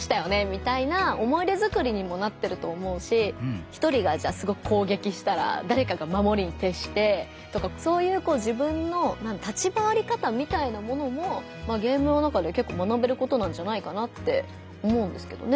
みたいな思い出づくりにもなってると思うし１人がじゃあすごく攻撃したらだれかがまもりにてっしてとかそういうこう自分の立ち回り方みたいなものもゲームの中で結構学べることなんじゃないかなって思うんですけどね。